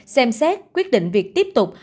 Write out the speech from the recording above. xem xét quyết định việc tiếp tục